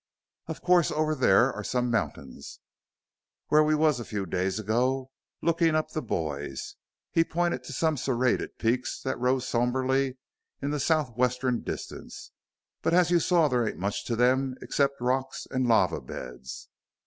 Of course over there are some mountains where we was a few days ago lookin' up the boys" he pointed to some serrated peaks that rose somberly in the southwestern distance "but as you saw there ain't much to them except rocks an' lava beds.